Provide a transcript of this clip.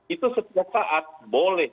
itu setiap saat boleh